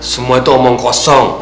semua itu omong kosong